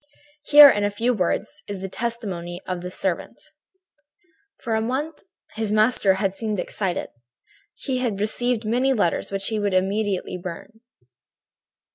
"Here, in a few words, is the testimony of the servant: "For a month his master had seemed excited. He had received many letters, which he would immediately burn.